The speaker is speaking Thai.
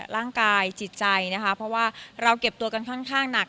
ร่างกายจิตใจนะคะเพราะว่าเราเก็บตัวกันค่อนข้างหนัก